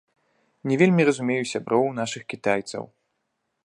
Не вельмі разумею сяброў нашых кітайцаў.